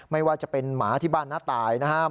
ไม่ว่าจะเป็นหมาที่บ้านน้าตายนะครับ